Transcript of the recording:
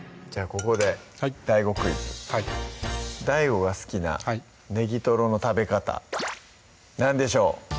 ここでＤＡＩＧＯクイズはいＤＡＩＧＯが好きなネギトロの食べ方何でしょう？